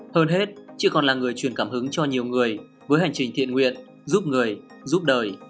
hơn hết chị còn là người truyền cảm hứng cho nhiều người với hành trình thiện nguyện giúp người giúp đời